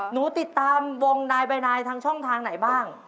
หนูติดตามวงนายใบนายทางช่องทางไหนบ้าง